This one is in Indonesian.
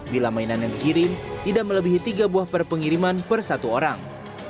bila mainan yang dikirim tidak melebihi tiga buah per pengiriman per satu orang